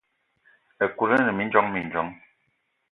Ekut ine mindjong mindjong.